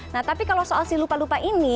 nah tapi kalau soal si lupa lupa ini